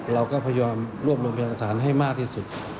เราก็พยายามรวบรวมพยานหลักฐานให้มากที่สุด